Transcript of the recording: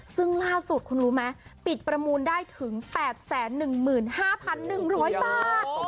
ซึ่งล่าสุดคุณรู้ไหมปิดประมูลได้ถึงแปดแสนหนึ่งหมื่นห้าพันหนึ่งร้อยบาท